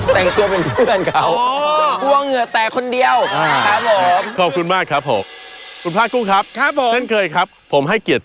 ร้านหนึ่งน้อยร้านหนึ่งเยอะไปเลย